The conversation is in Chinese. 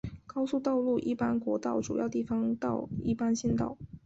高速道路一般国道主要地方道一般县道